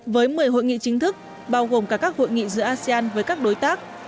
với một mươi hội nghị chính thức bao gồm cả các hội nghị giữa asean với các đối tác